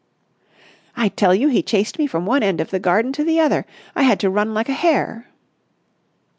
"I tell you he chased me from one end of the garden to the other! I had to run like a hare!"